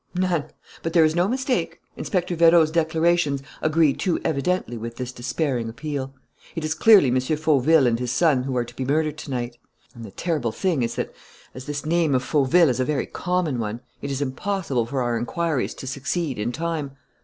"None. But there is no mistake. Inspector Vérot's declarations agree too evidently with this despairing appeal. It is clearly M. Fauville and his son who are to be murdered to night. And the terrible thing is that, as this name of Fauville is a very common one, it is impossible for our inquiries to succeed in time."